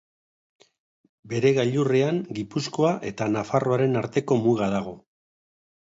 Bere gailurrean Gipuzkoa eta Nafarroaren arteko muga dago.